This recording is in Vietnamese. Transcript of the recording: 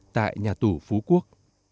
tại nhà tù phú quốc